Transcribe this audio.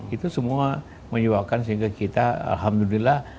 itu semua menyuakan sehingga kita alhamdulillah